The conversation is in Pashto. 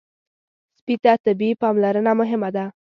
سپي ته طبي پاملرنه مهمه ده.